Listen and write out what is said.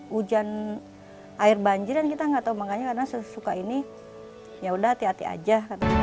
hujan air banjir dan kita nggak tahu makanya karena sesuka ini yaudah hati hati aja